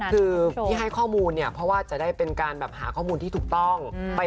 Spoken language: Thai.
คือที่ให้ข้อมูลเนี่ยเพราะว่าจะได้เป็นการแบบหาข้อมูลที่ถูกต้อง